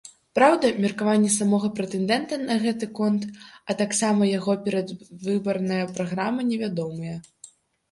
Праўда, меркаванне самога прэтэндэнта на гэты конт, а таксама яго перадвыбарная праграма невядомыя.